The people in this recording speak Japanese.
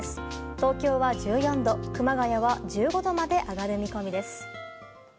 東京は１４度、熊谷は１５度まで上がる見込みです。